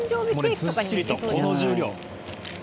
ずっしりとこの重量。